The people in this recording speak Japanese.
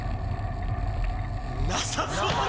なさそう！